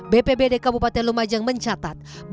bpbd kabupaten lumajang mencatat